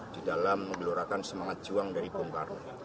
di dalam mengelorakan semangat juang dari bung karno